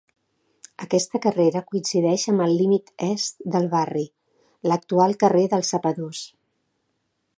Aquesta carrera coincideix amb el límit est del barri, l'actual carrer dels Sapadors.